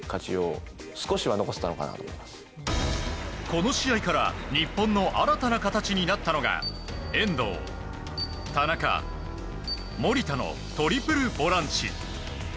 この試合から日本の新たな形になったのが遠藤、田中、守田のトリプルボランチ。